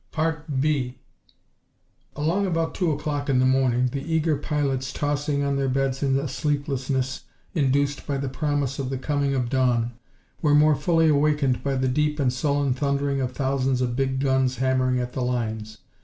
2 Along about two o'clock in the morning the eager pilots, tossing on their beds in a sleeplessness induced by the promise of the coming of dawn, were more fully awakened by the deep and sullen thundering of thousands of big guns hammering at the lines.